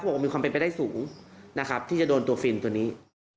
ก็บอกว่ามีความเป็นไปได้สูงที่จะโดนตัวฟิลต์ตัวนี้